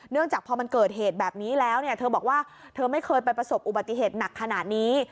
จากพอมันเกิดเหตุแบบนี้แล้วเนี่ยเธอบอกว่าเธอไม่เคยไปประสบอุบัติเหตุหนักขนาดนี้